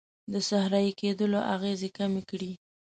د صحرایې کیدلو اغیزې کمې کړي.